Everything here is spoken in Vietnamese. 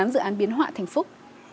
một mươi tám dự án biến họa thành phúc